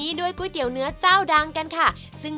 ก็เลยเริ่มต้นจากเป็นคนรักเส้น